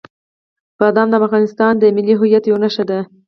بادام د افغانستان د ملي هویت یوه نښه ده.